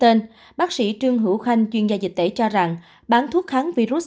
trước đó bác sĩ trương hữu khanh chuyên gia dịch tễ cho rằng bán thuốc kháng virus